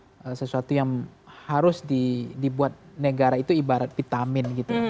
ada sesuatu yang harus dibuat negara itu ibarat vitamin gitu